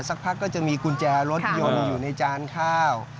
สักพักก็จะมีกุญแจรถยนต์อยู่ในจานข้าว